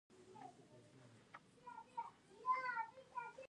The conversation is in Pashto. مشرقي زون اقليمي بدلون نه زيات متضرره دی.